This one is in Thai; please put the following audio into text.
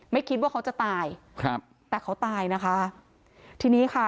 ไม่คิดว่าเขาจะตายครับแต่เขาตายนะคะทีนี้ค่ะ